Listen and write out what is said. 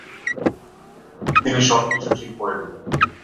তিনি সবকিছু ঠিক করে দিবেন।